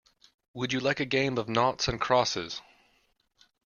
Would you like a game of noughts and crosses?